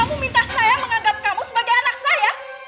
kamu minta saya menganggap kamu sebagai anak saya